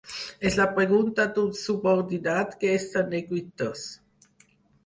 És la pregunta d'un subordinat que està neguitós.